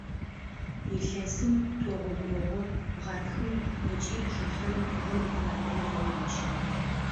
Илъэсым тӀогъогогъо – гъатхэм ыкӀи бжыхьэм тыгъэм экваторыр зэпечы.